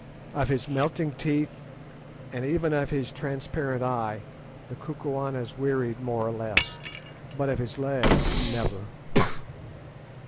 Of his melting teeth, and even of his "transparent eye," the Kukuanas wearied more or less, but of his legs never.